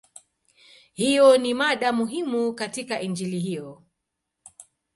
Hiyo ni mada muhimu katika Injili hiyo.